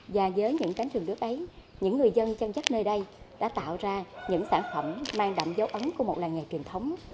và với những cánh rừng nước ấy những người dân chân chất nơi đây đã tạo ra những sản phẩm mang đậm dấu ấn của một làng nghề truyền thống